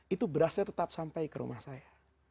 itu berasnya tetap sampai ke rumah saya